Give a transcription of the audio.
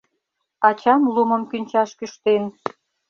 Ачам лумым кӱнчаш кӱштен.